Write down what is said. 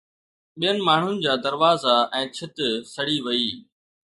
ٻين ماڻهن جا دروازا ۽ ڇت سڙي وئي